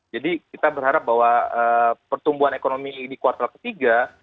jadi kita berharap bahwa pertumbuhan ekonomi di kuartal ketiga